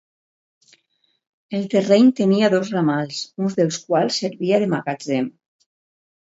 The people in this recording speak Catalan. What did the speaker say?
El terreny tenia dos ramals, un dels quals servia de magatzem.